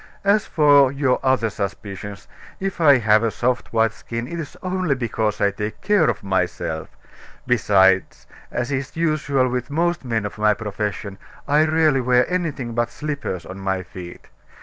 As for your other suspicions, if I have a soft white skin, it is only because I take care of myself. Besides, as is usual with most men of my profession, I rarely wear anything but slippers on my feet.